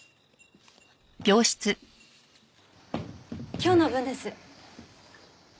今日の分です。